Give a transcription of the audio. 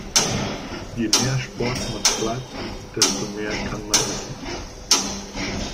Je mehr Sport man treibt, desto mehr kann man Essen.